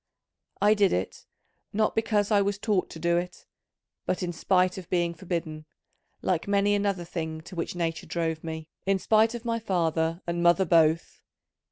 I did it, not because I was taught to do it, but in spite of being forbidden, like many another thing to which nature drove me, in spite of my father and mother both.